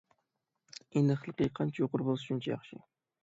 ئېنىقلىقى قانچە يۇقىرى بولسا شۇنچە ياخشى.